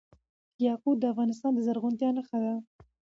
یاقوت د افغانستان د زرغونتیا نښه ده.